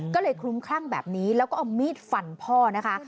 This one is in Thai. ก็เลยคลุ้มคลั่งแบบนี้แล้วก็เอามีดฟันพ่อนะคะ